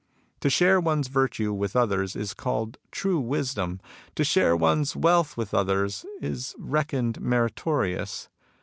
" To share one's virtue with others is called true wisdom. To share one's wealth with others is reckoned meritorious.